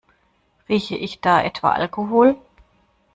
Rieche ich da etwa Alkohol?